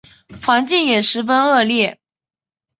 环境也十分的恶劣